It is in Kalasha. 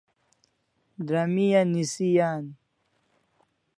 Dramia nisi an